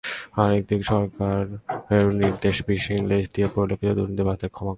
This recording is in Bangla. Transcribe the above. আরেক দিকে সরকারের নির্দেশে বিষহীন লেজ দিয়ে পরীক্ষিত দুর্নীতিবাজদের ক্ষমা করে দিচ্ছে।